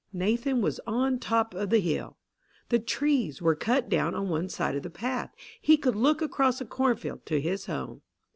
Nathan was now on the top of the hill. The trees were cut down on one side of the path. He could look across a cornfield to his home.